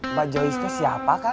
mbak joyce nya siapa kang